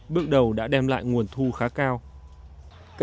bước đầu đã đem lại nguồn thu khá cao